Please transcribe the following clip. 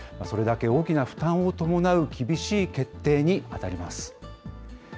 それだけ大きな負担を伴う厳しい決定に当たります。